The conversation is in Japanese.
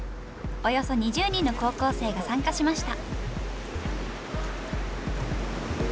およそ２０人の高校生が参加しました。